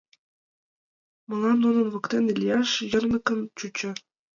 Мылам нунын воктене лияш йырныкын чучо.